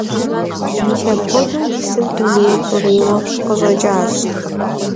Mis apxuedeu psım dunêym xhurêyue khışêk'uh.